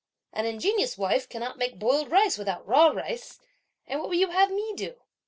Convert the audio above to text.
An ingenious wife cannot make boiled rice without raw rice; and what would you have me do?